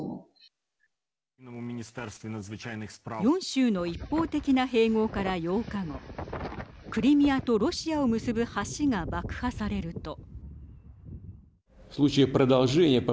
４州の一方的な併合から８日後クリミアとロシアを結ぶ橋が爆破されると。